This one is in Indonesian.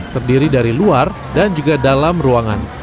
terdiri dari luar dan juga dalam ruangan